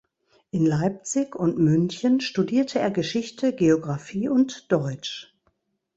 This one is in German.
In Leipzig und München studierte er Geschichte, Geographie und Deutsch.